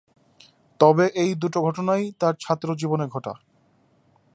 তবে এই দুটো ঘটনাই তার ছাত্রজীবনে ঘটা।